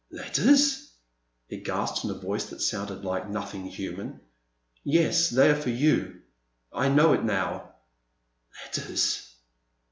*' letters !" he gasped in a voice that sounded like nothing human. Yes, they are for you, — I know it now "Letters